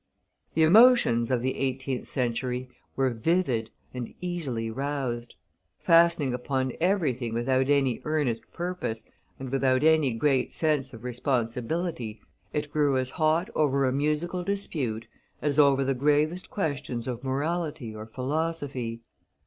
The emotions of the eighteenth century were vivid and easily roused; fastening upon everything without any earnest purpose, and without any great sense of responsibility, it grew as hot over a musical dispute as over the gravest questions of morality or philosophy.